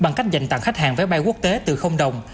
bằng cách dành tặng khách hàng vé bay quốc tế từ đồng